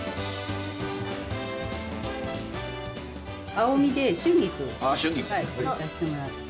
青みで春菊入れさせてもらって。